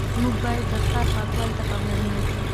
موږ باید د ښار پاکوالي ته پاملرنه وکړو